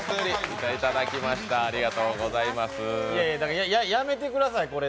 いやいや、やめてください、これ。